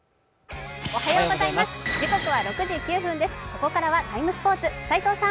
ここからは「ＴＩＭＥ，スポーツ」。